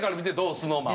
ＳｎｏｗＭａｎ。